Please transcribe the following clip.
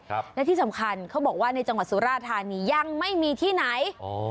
และที่สำคัญเขาบอกว่าในจังหวัดสุราธานียังไม่มีที่ไหน